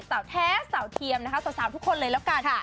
สาวแท้สาวเทียมนะคะสาวทุกคนเลยแล้วกัน